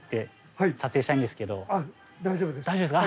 大丈夫ですか？